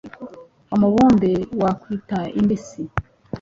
umubumbe wakwita indi Si,